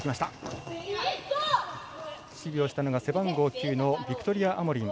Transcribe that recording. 守備をしたのが背番号９のビクトリア・アモリン。